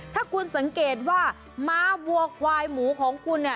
ถ้าคุณสังเกตว่าม้าวัวควายหมูของคุณเนี่ย